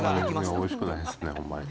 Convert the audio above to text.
おいしくないですね、ほんまに。